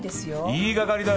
言いがかりだよ！